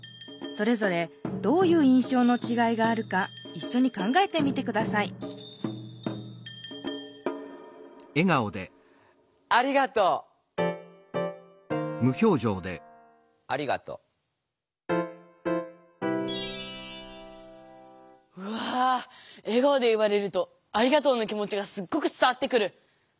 それぞれどういういんしょうのちがいがあるかいっしょに考えてみて下さいありがとう！ありがとう。うわ。え顔で言われるとありがとうの気持ちがすっごく伝わってくる。